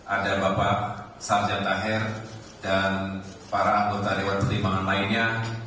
ada bapak sarjad taher dan para anggota dewan pertimbangan lainnya